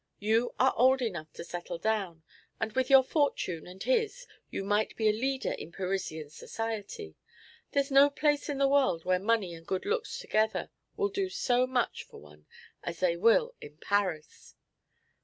You are old enough to settle down, and with your fortune and his you might be a leader in Parisian society. There's no place in the world where money and good looks together will do so much for one as they will in Paris."